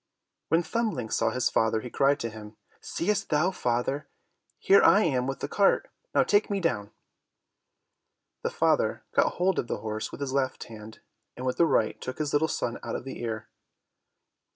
When Thumbling saw his father, he cried to him, "Seest thou, father, here I am with the cart; now take me down." The father got hold of the horse with his left hand and with the right took his little son out of the ear.